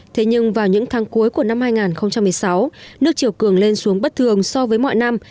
thế nhưng vào những tháng cuối của năm hai nghìn một mươi sáu nước chiều cường lên xuống bất thường so với mọi năm